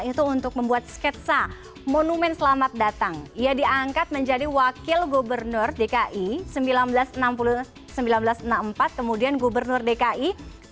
itu untuk membuat sketsa monumen selamat datang ia diangkat menjadi wakil gubernur dki seribu sembilan ratus enam puluh empat kemudian gubernur dki